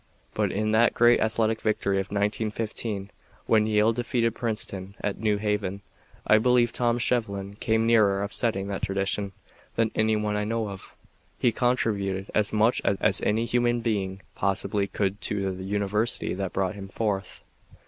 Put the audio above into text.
But in that great athletic victory of 1915, when Yale defeated Princeton at New Haven, I believe Tom Shevlin came nearer upsetting that tradition than any one I know of. He contributed as much as any human being possibly could to the university that brought him forth.